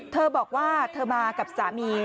เธอบอกว่าเธอมากับสามี